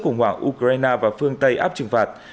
khủng hoảng ukraine và phương tây áp trừng phạt